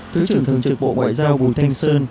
thứ trưởng thường trực bộ ngoại giao bùi thanh sơn